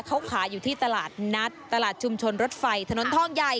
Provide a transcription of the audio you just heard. เขาขายอยู่ที่ตลาดนัดตลาดชุมชนรถไฟถนนทองใหญ่